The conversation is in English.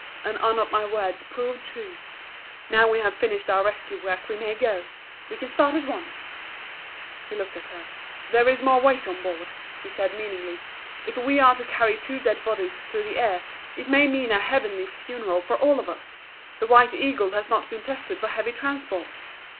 And are not my words proved true? Now we have finished our rescue work we may go we can start at once " He looked at her. "There is more weight on board!" he said meaningly, "If we are to carry two dead bodies through the air, it may mean a heavenly funeral for all of us! The 'White Eagle' has not been tested for heavy transport."